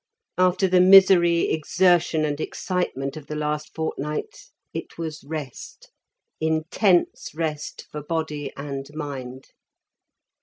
After the misery, exertion, and excitement of the last fortnight it was rest, intense rest for body and mind.